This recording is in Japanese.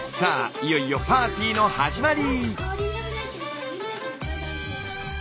いよいよパーティーの始まり。